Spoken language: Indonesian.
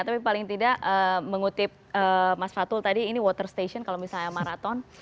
tapi paling tidak mengutip mas fatul tadi ini water station kalau misalnya maraton